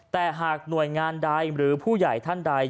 แต่หากหน่วยงานใดหรือผู้ใหญ่ท่านใด